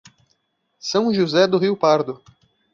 São José do Rio Pardo